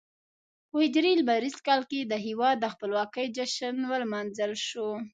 په هجري لمریز کال کې د هېواد د خپلواکۍ جشن ولمانځل شو.